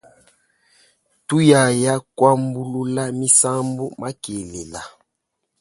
Tuyaya kuambulula misambu makelela.